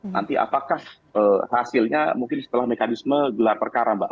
nanti apakah hasilnya mungkin setelah mekanisme gelar perkara mbak